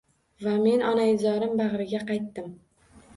Va men onaizorim bagʻriga qaytdim